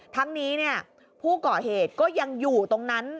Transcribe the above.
ทั้งนี้ผู้ก่อเหตุก็ยังอยู่ตรงนั้น